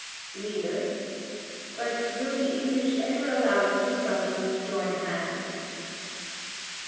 READER: But will the English ever allow the two bodies to join hands?